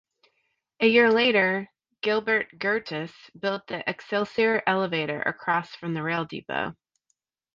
A year later, Gilbert Curtiss built the Excelsior Elevator across from the rail depot.